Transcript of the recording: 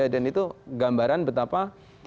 dan itu gambaran betapa